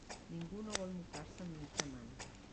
Ningú no vol mocar-se amb mitja mànega.